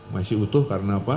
masih utuh karena apa